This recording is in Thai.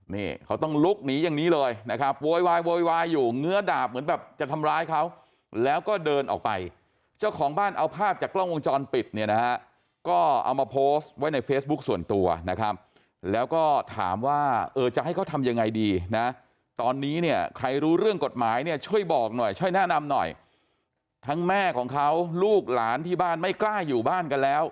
นี่เขาต้องลุกหนีอย่างนี้เลยนะครับโวยวายโวยวายอยู่เงื้อดาบเหมือนแบบจะทำร้ายเขาแล้วก็เดินออกไปเจ้าของบ้านเอาภาพจากกล้องวงจรปิดเนี่ยนะฮะก็เอามาโพสต์ไว้ในเฟซบุ๊คส่วนตัวนะครับแล้วก็ถามว่าเออจะให้เขาทำยังไงดีนะตอนนี้เนี่ยใครรู้เรื่องกฎหมายเนี่ยช่วยบอกหน่อยช่วยแนะนำหน่อยทั้งแม่ของเขาลูกหลานที่บ้านไม่กล้าอยู่บ้านกันแล้ว